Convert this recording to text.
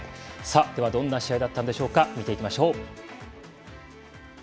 どんな試合だったんでしょうか、見ていきましょう。